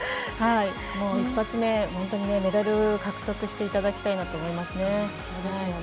一発目、本当にメダル獲得していただきたいと思います。